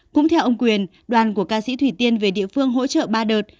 cũng theo ông quyền đoàn của ca sĩ thủy tiên về địa phương hỗ trợ ba đợt